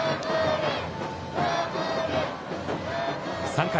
３回。